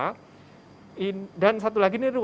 dan yang kedua adalah ruangan yang kita sebut dengan antelum